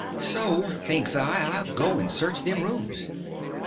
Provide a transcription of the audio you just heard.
So, thinks I, I'll go and search them rooms.